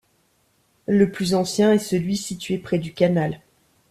Le plus ancien est celui situé près du canal.